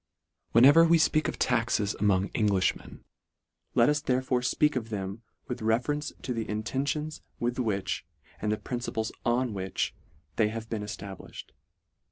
Whenever we fpeak of taxes among Englifhmen, let us therefore fpeak. of them with reference to the intentions with which, and the principles on which they have been eftabliftied.